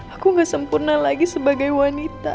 aku gak sempurna lagi sebagai wanita